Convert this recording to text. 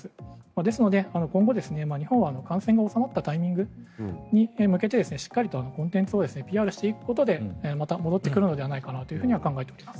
ですので今後、日本は感染が収まったタイミングに向けてしっかりとコンテンツをＰＲしていくことでまた戻ってくるのではないかなと考えています。